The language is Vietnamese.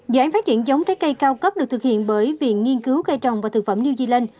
dự án phát triển giống trái cây cao cấp được thực hiện bởi viện nghiên cứu cây trồng và thực phẩm new zealand